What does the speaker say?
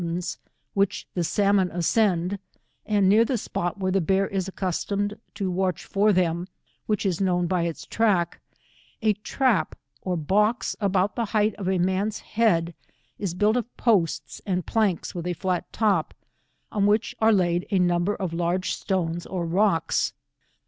3 118 tains, which the salmon ascend, and near the spot where the bear is accustomed to watch for them, which is known by its track, a trap or box about the height of a man's head is built of posts and planks with a fiat top, on which are laid a number of large stones or rocks.